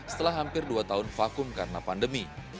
setelah hampir dua tahun vakum karena pandemi